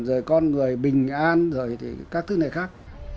rồi con người bình an rồi thì các thứ này khác